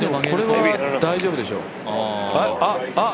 これは大丈夫でしょう。